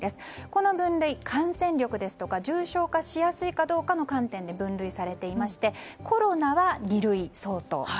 この分類は感染力ですとか重症化しやすいかの観点で分類されていましてコロナは二類相当。